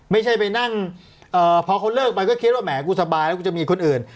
ไม่ใช่ไปนั่งพอเขาเลิกไปก็คิดว่าแหมกูสบายแล้วกูจะมีคนอื่น